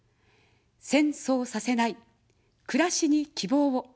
戦争させない、くらしに希望を。